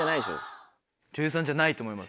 女優さんじゃないと思います。